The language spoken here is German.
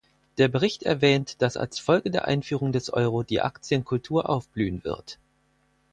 Der Bericht erwähnt, dass als Folge der Einführung des Euro die Aktienkultur aufblühen wird.